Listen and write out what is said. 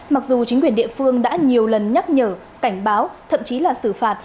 mặc dù chính quyền địa phương đã nhiều lần nhắc nhở cảnh báo thậm chí là xử phạt